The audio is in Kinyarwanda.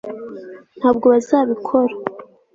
ntabwo bazabikora